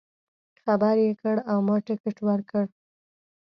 خبر یې کړ او ما ټکټ ورکړ.